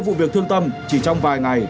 hai vụ việc thương tâm chỉ trong vài ngày